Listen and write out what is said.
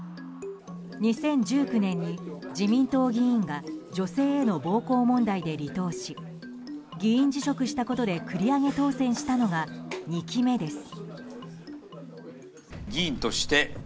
２０１９年に自民党議員が女性への暴行問題で離党し議員辞職したことで繰り上げ当選したことが２期目です。